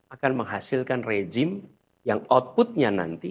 akan menghasilkan rejim yang outputnya nanti